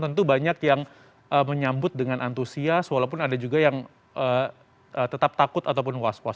tentu banyak yang menyambut dengan antusias walaupun ada juga yang tetap takut ataupun was was